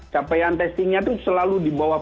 capaian testingnya itu selalu di bawah